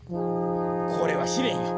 これは試練よ。